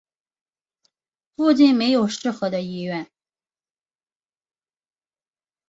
附近没有适合的医院